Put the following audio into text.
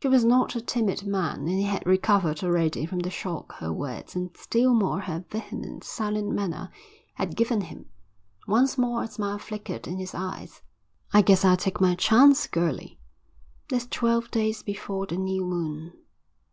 He was not a timid man and he had recovered already from the shock her words, and still more her vehement, silent manner, had given him. Once more a smile flickered in his eyes. "I guess I'll take my chance, girlie." "There's twelve days before the new moon."